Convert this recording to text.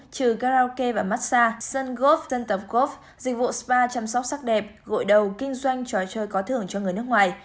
trừ karaoke và massage sân golf sân tập golf dịch vụ spa chăm sóc sắc đẹp gội đầu kinh doanh trò chơi có thưởng cho người nước ngoài